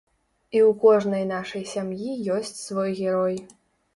І ў кожнай нашай сям'і ёсць свой герой.